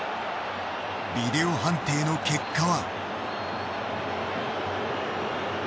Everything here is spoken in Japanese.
ビデオ判定の結果は。